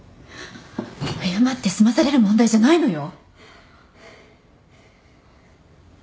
謝って済まされる問題じゃないのよ。